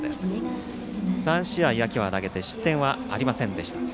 ３試合、秋は投げて失点はありませんでした。